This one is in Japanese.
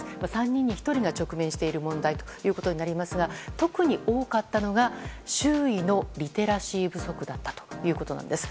３人に１人が直面している問題ということになりますが特に多かったのが周囲のリテラシー不足だったということです。